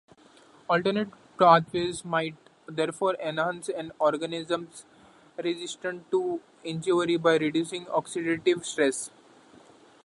Alternative pathways might, therefore, enhance an organisms' resistance to injury, by reducing oxidative stress.